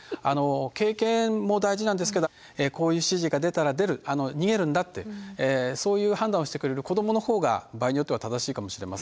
経験も大事なんですけどこういう指示が出たら出る逃げるんだってそういう判断をしてくれる子どものほうが場合によっては正しいかもしれません。